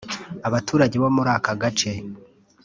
Abaturage bo muri aka gace